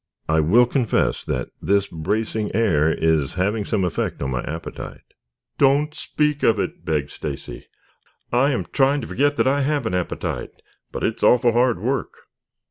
I will confess that this bracing air is having some effect on my appetite." "Don't speak of it," begged Stacy. "I am trying to forget that I have an appetite, but it's awful hard work."